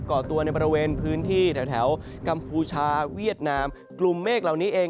่อตัวในบริเวณพื้นที่แถวกัมพูชาเวียดนามกลุ่มเมฆเหล่านี้เอง